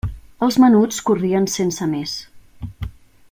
Els menuts corrien sense més.